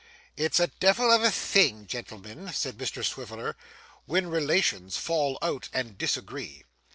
'It's a devil of a thing, gentlemen,' said Mr Swiveller, 'when relations fall out and disagree.